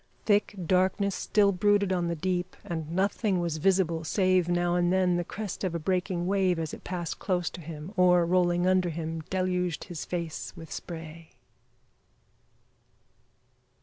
Thick darkness still brooded on the deep, and nothing was visible save, now and then, the crest of a breaking wave as it passed close to him, or, rolling under him, deluged his face with spray.